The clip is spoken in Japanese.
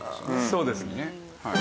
そうですね。